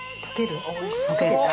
溶ける。